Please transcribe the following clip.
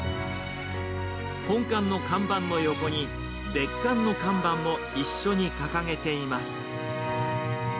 本館の看板の横に、別館の看板も一緒に掲げています。